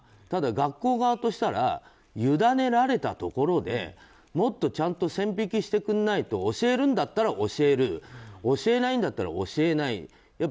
ただ、学校側としたら委ねられたところでもっとちゃんと線引きしてくれないと教えるんだったら教える教えないんだったら教えない。